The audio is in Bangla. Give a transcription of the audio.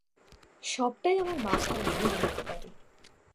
সবটাই আমার মাথার ভুল হইতে পারে।